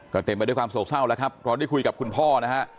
ก็เต็มไปด้วยความโศกเศร้าแล้วครับเราได้คุยกับคุณพ่อนะฮะ